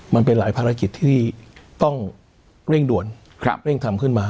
มันเป็นหลายภารกิจที่ต้องเร่งด่วนเร่งทำขึ้นมา